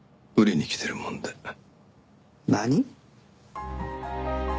何！？